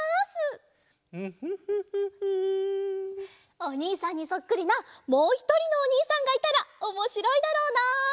おにいさんにそっくりなもうひとりのおにいさんがいたらおもしろいだろうな！